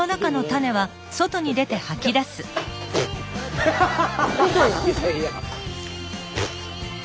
ハハハハ！